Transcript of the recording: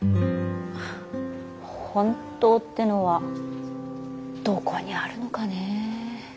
本当ってのはどこにあるのかね。